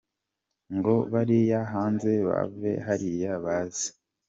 ngo bariya Hanze bave hariya baze.